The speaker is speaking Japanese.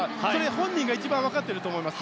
本人が一番分かっていると思います。